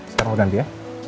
sekarang lo ganti ya